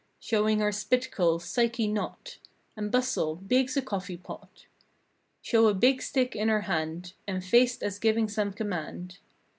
Show her spit curls—psyche knot And bustle, big's a coffee pot. Show a big stick in her hand And faced as giving some command.